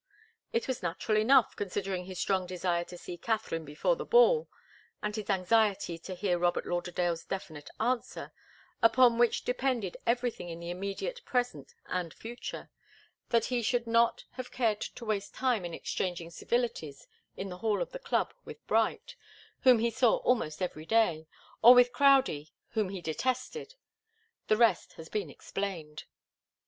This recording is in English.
It was natural enough, considering his strong desire to see Katharine before the ball, and his anxiety to hear Robert Lauderdale's definite answer, upon which depended everything in the immediate present and future, that he should not have cared to waste time in exchanging civilities in the hall of the club with Bright, whom he saw almost every day, or with Crowdie, whom he detested. The rest has been explained.